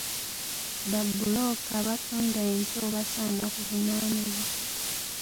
Babbulooka abatunda empewo basaana kuvunaanibwa.